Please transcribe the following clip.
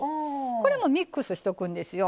これもミックスしとくんですよ。